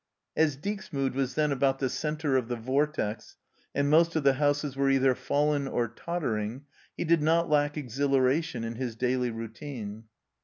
As Dixmude was then about the centre of the vortex, and most of the houses were either fallen or tottering, he did not lack exhilaration in his daily routine.